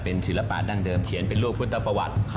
ศิลปะดั้งเดิมเขียนเป็นรูปพุทธประวัติ